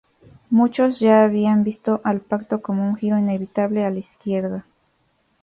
Muchos ya habían visto al pacto como un giro inevitable a la izquierda.